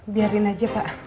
biarin aja pak